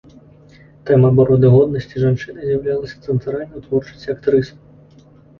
Тэма абароны годнасці жанчыны з'яўлялася цэнтральнай у творчасці актрысы.